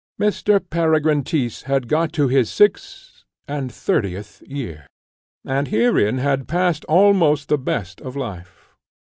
Mr. Peregrine Tyss had got to his six and thirtieth year, and herein had passed almost the best of life.